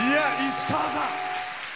石川さん。